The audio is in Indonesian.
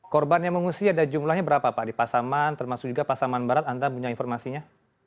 korban yang mengungsi ada jumlahnya berapa pak di pasaman termasuk juga pasaman barat anda punya informasinya